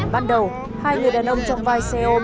ban đầu hai người đàn ông trong vai xe ôm